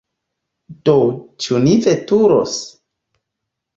Do, ĉu ni veturos?